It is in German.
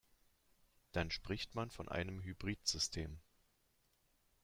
Dann spricht man von einem Hybrid-System.